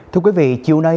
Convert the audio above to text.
thưa quý vị chiều nay